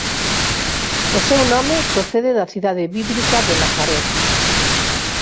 O seu nome procede da cidade bíblica de Nazaret.